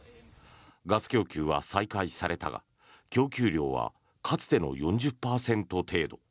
ガス供給は再開されたが供給量はかつての４０％程度。